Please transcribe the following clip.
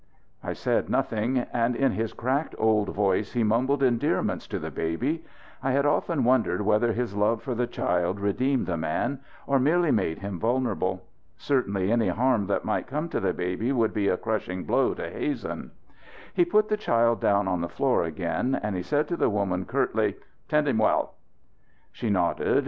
I said nothing, and in his cracked old voice he mumbled endearments to the baby. I had often wondered whether his love for the child redeemed the man; or merely made him vulnerable. Certainly any harm that might come to the baby would be a crushing blow to Hazen. He put the child down on the floor again and he said to the woman curtly: "Tend him well." She nodded.